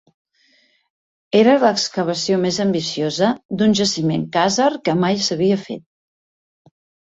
Era l'excavació més ambiciosa d'un jaciment khàzar que mai s'havia fet.